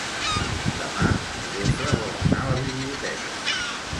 Demà en Jofre vol anar a la biblioteca.